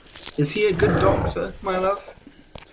Is he a good doctor, my love?